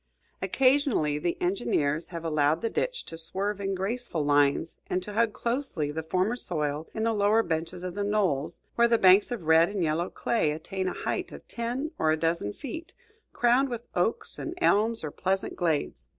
Occasionally the engineers have allowed the ditch to swerve in graceful lines and to hug closely the firmer soil in the lower benches of the knolls, where the banks of red and yellow clay attain a height of ten or a dozen feet, crowned with oaks and elms or pleasant glades.